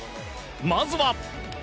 まずは。